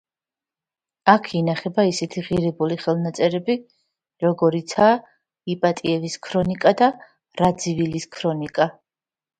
აქ ინახება ისეთი ღირებული ხელნაწერები, როგორიცაა: იპატიევის ქრონიკა და რაძივილის ქრონიკა.